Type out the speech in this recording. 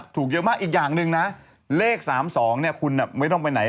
ถูกเยอะมากอีกอย่างหนึ่งนะเลข๓๒เนี่ยคุณไม่ต้องไปไหน